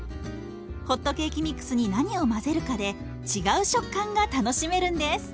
ホットケーキミックスに何を混ぜるかで違う食感が楽しめるんです。